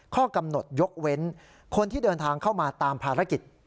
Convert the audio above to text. ข้อกำหนดยกเว้นคนที่เดินทางเข้ามาตามภารกิจ